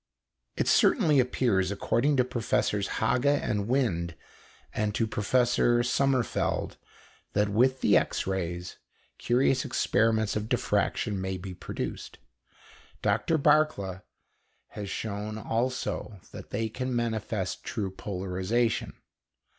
It certainly appears, according to Professors Haga and Wind and to Professor Sommerfeld, that with the X rays curious experiments of diffraction may be produced. Dr Barkla has shown also that they can manifest true polarization.